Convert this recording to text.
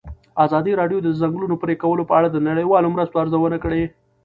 ازادي راډیو د د ځنګلونو پرېکول په اړه د نړیوالو مرستو ارزونه کړې.